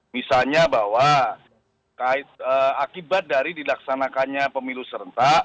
misalnya bahwa akibat dari dilaksanakannya pemilu serentak